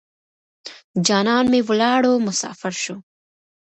جانان مې ولاړو مسافر شو.